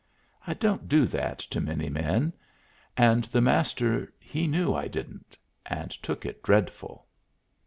I don't do that to many men. And the Master he knew I didn't, and took on dreadful.